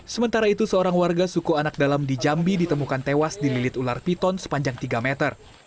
sementara itu seorang warga suku anak dalam di jambi ditemukan tewas dililit ular piton sepanjang tiga meter